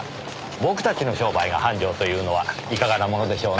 僕たちの商売が繁盛というのはいかがなものでしょうね？